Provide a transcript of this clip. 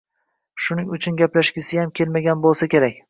Shuning uchun gaplashgisiyam kelmagan boʻlsa kerak…